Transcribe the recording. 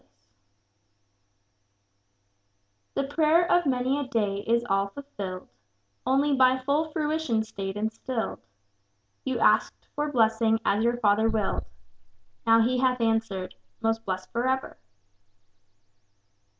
_) The prayer of many a day is all fulfilled, Only by full fruition stayed and stilled; You asked for blessing as your Father willed, Now He hath answered: 'Most blessed for ever!'